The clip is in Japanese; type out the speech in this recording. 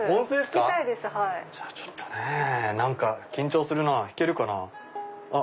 じゃあちょっとね何か緊張するなぁ弾けるかな。